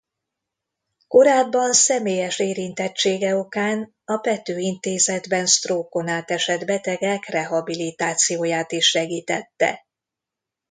Korábban személyes érintettsége okán a Pető Intézetben stroke-on átesett betegek rehabilitációját is segítette.